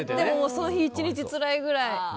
その日１日つらいくらい。